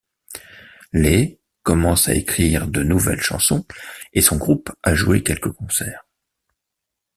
Les commence à écrire de nouvelles chansons, et son groupe à jouer quelques concerts.